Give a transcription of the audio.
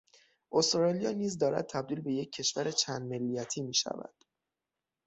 استرالیا نیز دارد تبدیل به یک کشور چند ملیتی میشود.